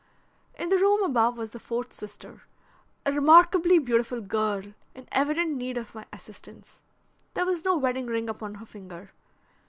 In the room above was the fourth sister, a remarkably beautiful girl in evident need of my assistance. There was no wedding ring upon her finger.